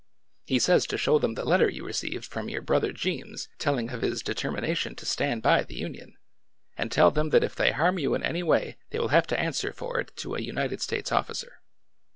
He says to show them the letter you received from your bro ther Jeems telling of his determination to stand by the Union, and tell them that if they harm you in any way they will have to answer for it to a United States officer.